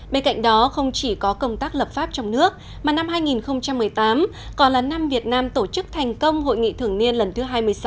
bên cạnh đó không chỉ có công tác lập pháp trong nước mà năm hai nghìn một mươi tám còn là năm việt nam tổ chức thành công hội nghị thường niên lần thứ hai mươi sáu